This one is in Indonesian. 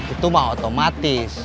itu mah otomatis